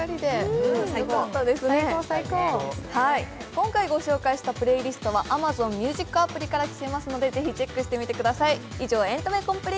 今回ご紹介したプレイリストはＡｍａｚｏｎＭｕｓｉｃから聴けますのでぜひチェックしてみてください。